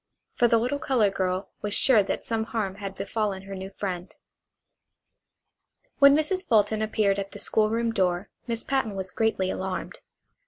For the little colored girl was sure that some harm had befallen her new friend. When Mrs. Fulton appeared at the school room door Miss Patten was greatly alarmed.